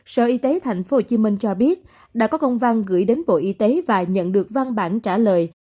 sở y tế tp hcm cho biết đã có công văn gửi đến bộ y tế và nhận được văn bản trả lời